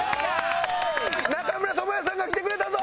中村倫也さんが来てくれたぞ！